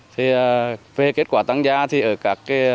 thì về kết quả tăng gia thì ở các cái